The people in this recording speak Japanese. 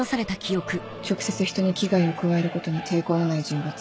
直接人に危害を加えることに抵抗のない人物。